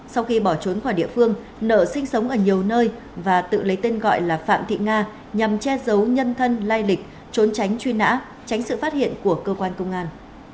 sau khi bỏ trốn khỏi địa phương nợ sinh sống ở nhiều nơi và tự lấy tên gọi là phạm thị nga nhằm che giấu nhân thân lai lịch trốn tránh truy nã tránh sự phát hiện của cơ quan công an